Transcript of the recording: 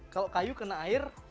kalau kayu kena air